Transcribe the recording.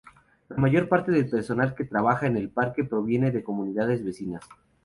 La mayor parte del personal que trabaja en el parque proviene de comunidades vecinas.